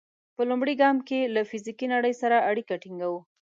په لومړي ګام کې له فزیکي نړۍ سره اړیکه ټینګوو.